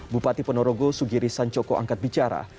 bupati ponorogo sugiri sancoko angkat bicara